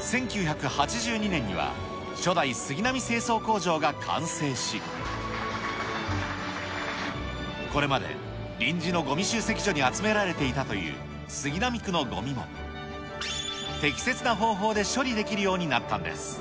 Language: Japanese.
１９８２年には、初代杉並清掃工場が完成し、これまで臨時のごみ集積所に集められていたという杉並区のごみも、適切な方法で処理できるようになったんです。